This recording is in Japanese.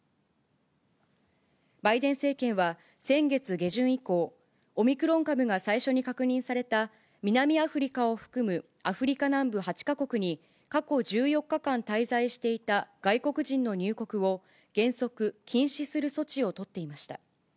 バイデン政権は先月下旬以降、オミクロン株が最初に確認された南アフリカを含むアフリカ南部８か国に、過去１４日間滞在していた外国人の入国を、原則禁止する措置を取っていました。